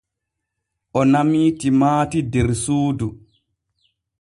O namii timaati der suudu.